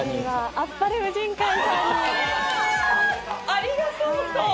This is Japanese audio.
ありがとうとう。